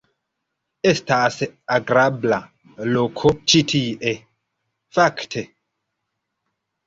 - Estas agrabla loko ĉi tie, fakte.